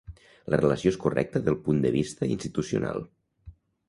La relació és correcta del punt de vista institucional.